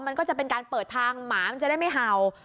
มันก็จะเป็นการเปิดทางหมามันจะได้ไม่เห่า